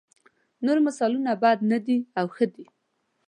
نور مثالونه بد نه دي او ښه دي.